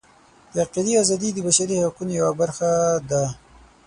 د عقیدې ازادي د بشري حقونو یوه برخه ده.